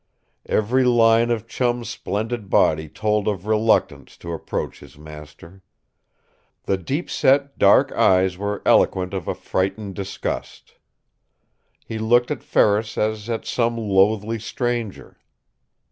Every line of Chum's splendid body told of reluctance to approach his master. The deep set, dark eyes were eloquent of a frightened disgust. He looked at Ferris as at some loathely stranger.